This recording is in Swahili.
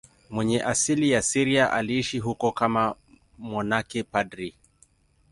Mwenye asili ya Syria, aliishi huko kama mmonaki padri.